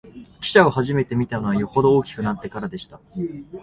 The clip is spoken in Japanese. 汽車をはじめて見たのは、よほど大きくなってからでした